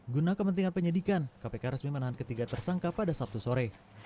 guna kepentingan penyidikan kpk resmi menahan ketiga tersangka pada sabtu sore